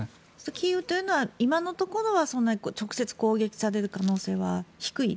キーウというのは今のところは直接攻撃される可能性は低い？